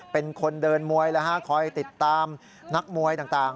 เป็นคนเดินมวยคอยติดตามนักมวยต่าง